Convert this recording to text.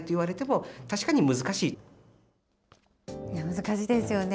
難しいですよね。